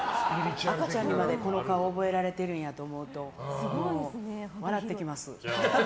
赤ちゃんにまでこの顔覚えられてるんやと思うと笑ってきます。